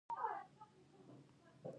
د مرارت کمول د انساني کرامت برخه ده.